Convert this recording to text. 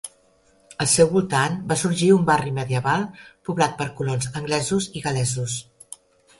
Al seu voltant va sorgir un barri medieval poblat per colons anglesos i gal·lesos.